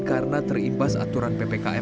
karena terimbas aturan ppkm levelnya